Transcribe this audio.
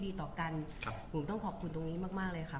บุ๋มประดาษดาก็มีคนมาให้กำลังใจเยอะ